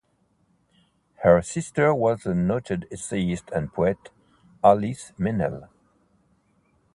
Her sister was the noted essayist and poet Alice Meynell.